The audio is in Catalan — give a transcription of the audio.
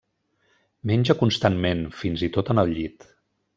Menja constantment, fins i tot en el llit.